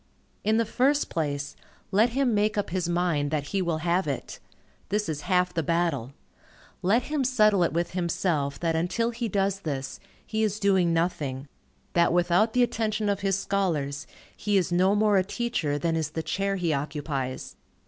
In the first place, let him make up his mind that he will have it. This is half the battle. Let him settle it with himself, that until he does this, he is doing nothing; that without the attention of his scholars, he is no more a teacher, than is the chair he occupies.